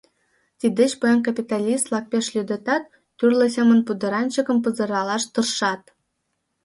Тиддеч поян капиталист-влак пеш лӱдытат, тӱрлӧ семын пудыранчыкым пызыралаш тыршат.